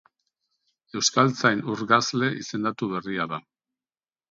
Euskaltzain urgazle izendatu berria da.